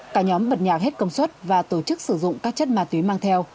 cả nhóm bật nhà hết công suất và tổ chức sử dụng các chất ma túy mang theo